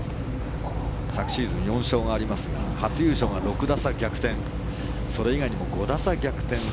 昨シーズン４勝がありますが初優勝が６打差逆転それ以外にも５打差逆転